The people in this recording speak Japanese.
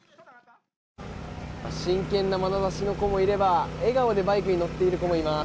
真剣なまなざしの子もいれば笑顔でバイクに乗っている子もいます。